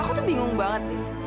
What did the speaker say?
aku tuh bingung banget nih